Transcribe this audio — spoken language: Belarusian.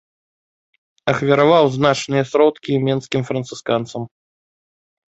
Ахвяраваў значныя сродкі менскім францысканцам.